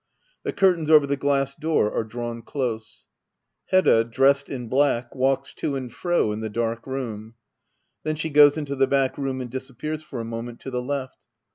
The curtains aver the glass door are drawn close, Hedda^ dressed in blacky walks to and fro in the dark room. Then she goes into the back room and disappears for a moment to the left.